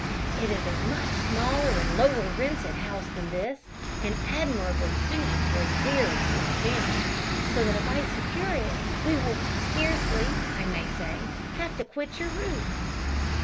It is a much smaller and lower rented house than this, and admirably suited for a very small family, so that if I secure it we will scarcely, I may say, have to quit your roof."